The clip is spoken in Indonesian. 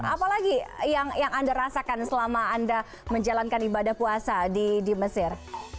apalagi yang anda rasakan selama anda menjalankan ibadah puasa di mesir